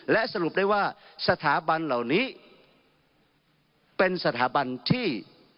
และสรุปได้ว่าสถาบันเหล่านี้เป็นสถาบันที่